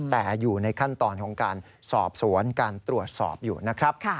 แต่อยู่ในขั้นตอนของการสอบสวนการตรวจสอบอยู่นะครับ